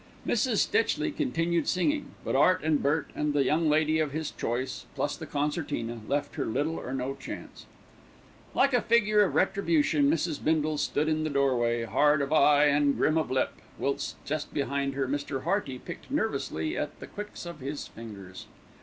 Mrs. Stitchley continued singing; but Art and Bert and the young lady of his choice, plus the concertina, left her little or no chance. Like a figure of retribution Mrs. Bindle stood in the doorway, hard of eye and grim of lip, whilst just behind her Mr. Hearty picked nervously at the quicks of his fingers.